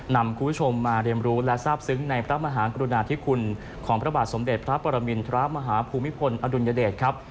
นำคุณผู้ชมมาเรียนรู้และทราบซึ้งในพระมหากรุณาธิคุณของพระบาทสมเด็จพระปรมินทรมาฮภูมิพลอดุลยเดชครับ